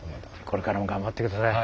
これからも頑張って下さい。